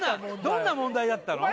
どんな問題だったの？